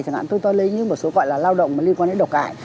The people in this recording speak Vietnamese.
chẳng hạn tôi lấy những một số gọi là lao động liên quan đến độc hại